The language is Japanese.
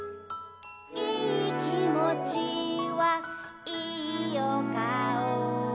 「いきもちはいおかお」